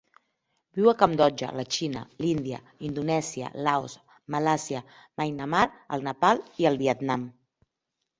Viu a Cambodja, la Xina, l'Índia, Indonèsia, Laos, Malàisia, Myanmar, el Nepal i el Vietnam.